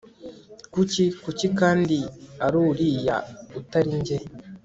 kuki? kuki kandi ari uriya atari njye